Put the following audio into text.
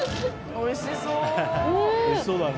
おいしそうだね。